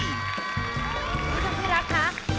สวัสดีครับพี่รักค่ะ